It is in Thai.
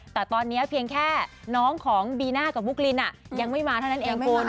แต่ตอนนี้เพียงแค่น้องของบีน่ากับบุ๊กลินยังไม่มาเท่านั้นเองคุณ